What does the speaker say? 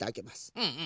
うんうん。